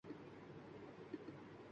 اس لیے غلطی کا امکان کم ہوتا ہے۔